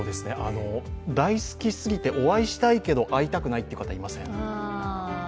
大好きすぎて、お会いしたいけど、会いたくないって方、いません？